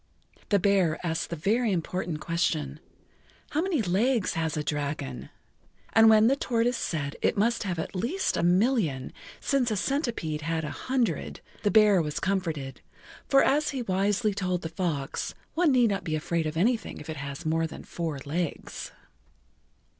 The bear asked the very important question: "How many legs has a dragon?" And when the tortoise said it must have at least a million, since a centipede had a hundred, the bear was comforted, for as he wisely told the fox, one need not be afraid of anything if it has more than four legs.